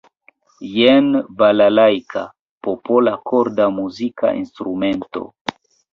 Jen "balalajka", popola korda muzika instrumento.